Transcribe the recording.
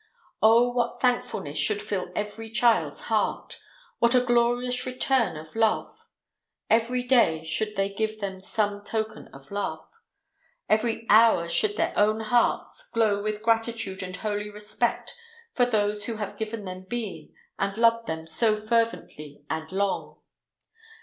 Oh, what thankfulness should fill every child's heart! What a glorious return of love! Every day should they give them some token of love. Every hour should their own hearts glow with gratitude and holy respect for those who have given them being, and loved them so fervently and long.